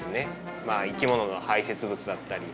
生き物の排泄物だったり。